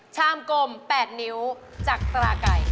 ชามกลม๘นิ้วจากตราไก่